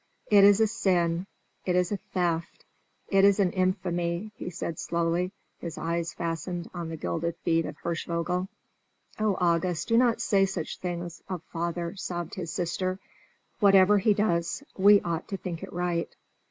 "It is a sin; it is a theft; it is an infamy," he said slowly, his eyes fastened on the gilded feet of Hirschvogel. "Oh, August, do not say such things of father!" sobbed his sister. "Whatever he does, we ought to think it right."